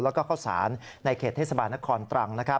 แล้วก็เข้าสารในเขตเทศบาลนครตรัง